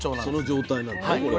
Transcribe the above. その状態なのね？